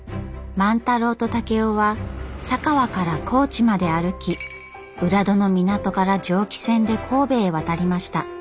万太郎と竹雄は佐川から高知まで歩き浦戸の港から蒸気船で神戸へ渡りました。